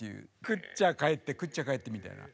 食っちゃ帰って食っちゃ帰ってみたいな。